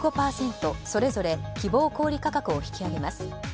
それぞれ希望小売価格を引き上げます。